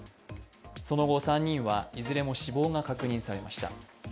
その後３人はいずれも死亡が確認されました。